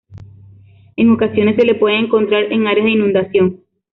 En ocasiones se lo puede encontrar en áreas de inundación.